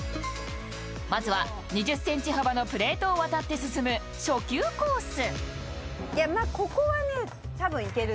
まずは２０ｃｍ幅のプレートをわたって進む初級コース。